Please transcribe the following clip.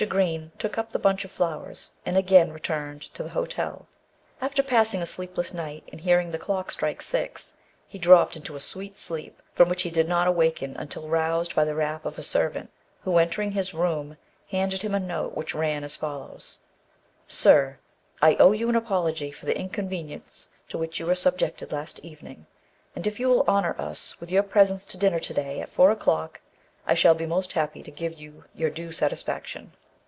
Green took up the bunch of flowers, and again returned to the hotel. After passing a sleepless night, and hearing the clock strike six, he dropped into a sweet sleep, from which he did not awaken until roused by the rap of a servant, who, entering his room, handed him a note which ran as follows: "Sir, I owe you an apology for the inconvenience to which you were subjected last evening, and if you will honour us with your presence to dinner to day at four o'clock, I shall be most happy to give you due satisfaction.